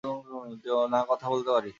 না, কথা বলতে পারি।